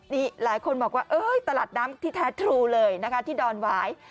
นี่หลายคนบอกว่าเอ้ยตลาดน้ำที่แท้ทรูเลยนะคะที่ดอนหวาย